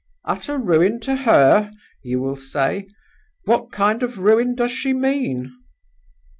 "'Utter ruin to her!' you will say. 'What kind of ruin does she mean?